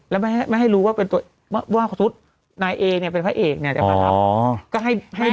แล้วไม่ให้รู้ว่าสมมตินายเอกเป็นพระเอกจะมารับ